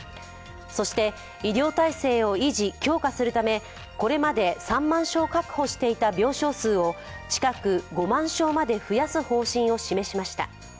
そして医療体制を維持強化するためこれまで３万床確保していた病床数を近く５万床まで増やす方針を示しました。